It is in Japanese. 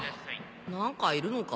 何かいるのか？